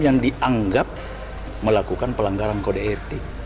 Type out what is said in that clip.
yang dianggap melakukan pelanggaran kode etik